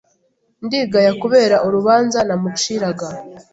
Ndigaya kubera urubanza namuciraga